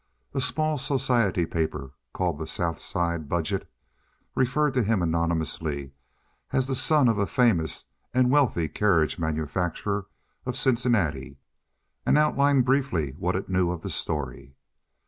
A small society paper, called the South Side Budget, referred to him anonymously as "the son of a famous and wealthy carriage manufacturer of Cincinnati," and outlined briefly what it knew of the story.